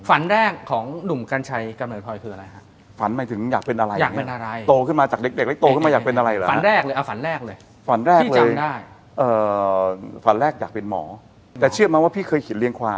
ฝันแรกของหนุ่มกัญชัยกำเนิดพลอยคืออะไรฮะ